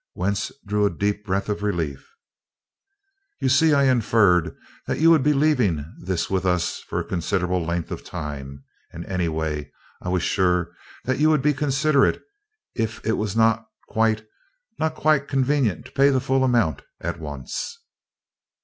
Wentz drew a deep breath of relief. "You see, I inferred that you would be leaving this with us for a considerable length of time and, anyway, I was sure that you would be considerate if it was not quite not quite convenient to pay the full amount at once."